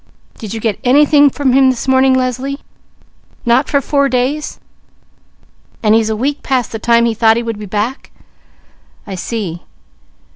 Did you get anything from him this morning Leslie? Not for four days? And he's a week past the time he thought he would be back? I see!